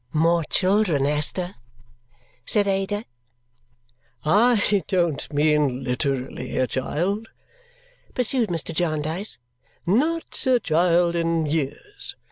"More children, Esther!" said Ada. "I don't mean literally a child," pursued Mr. Jarndyce; "not a child in years.